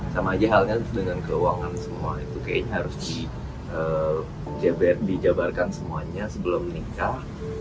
sama aja halnya dengan keuangan semua itu kayaknya harus dijabarkan semuanya sebelum nikah